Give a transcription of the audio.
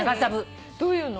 どういうの？